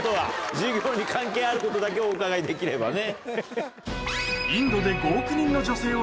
授業に関係あることだけお伺いできればね。